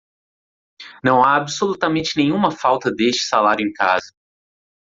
Não há absolutamente nenhuma falta deste salário em casa.